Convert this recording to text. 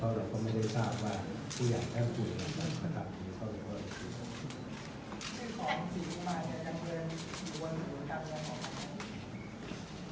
เพราะเราก็ไม่ได้ทราบว่าที่อยากแอบกลุ่ม